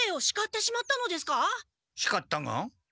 しかったが？